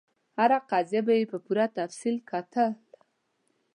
هره قضیه به یې په پوره تفصیل کتل.